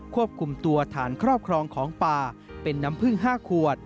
ควบคุมตัวฐานครอบครองของป่าเป็นน้ำพึ่ง๕ขวด